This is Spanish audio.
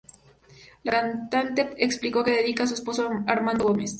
La cantante explicó que dedica a su esposo Armando Gómez.